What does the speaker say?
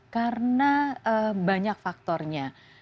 karena banyak faktornya